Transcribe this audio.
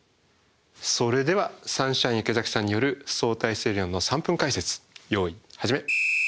それではサンシャイン池崎さんによる相対性理論の３分解説よい始め。